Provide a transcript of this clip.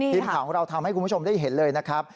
ทีมข่าวเราทำให้คุณผู้ชมได้เห็นเลยนะครับ